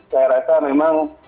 saya rasa memang